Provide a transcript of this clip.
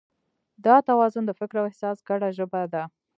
دا توازن د فکر او احساس ګډه ژبه ده.